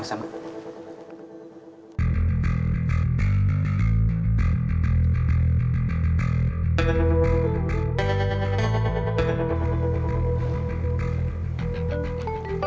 cerah banyak dan babiz